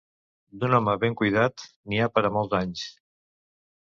D'un home ben cuidat n'hi ha per a molts anys.